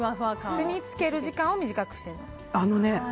酢に漬ける時間を短くしている。